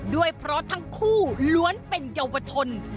ด้วยเพราะทั้งคู่ล้วนเป็นเยาวชน